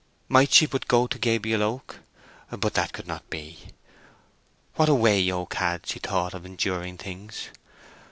Might she but go to Gabriel Oak!—but that could not be. What a way Oak had, she thought, of enduring things.